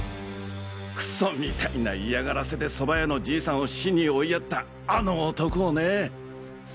クソみたいな嫌がらせでそば屋のじいさんを死に追いやったあの男をね。